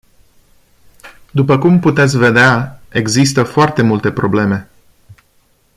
După cum puteți vedea, există foarte multe probleme.